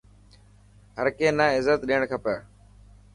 هر ڪي نا عزت ڏيڻ کپي.